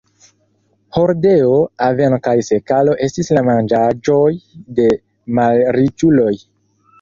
Hordeo, aveno kaj sekalo estis la manĝaĵoj de malriĉuloj.